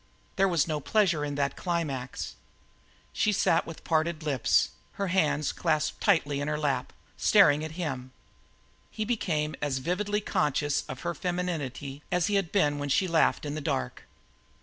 There was no pleasure in that climax. She sat with parted lips, her hands clasped tightly in her lap, staring at him. He became as vividly conscious of her femininity as he had been when she laughed in the dark.